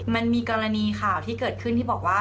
มันมีกรณีข่าวที่เกิดขึ้นที่บอกว่า